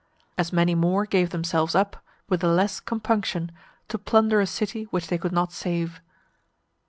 As many more gave themselves up, with the less compunction, to plunder a city which they could not save.